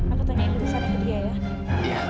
aku tanya ingin disana ke dia ya